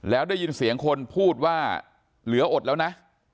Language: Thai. แล้วได้ยินเสียงคนพูดว่าเหลืออดแล้วนะ